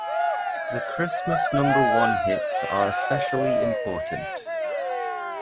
The Christmas number one hits are especially important.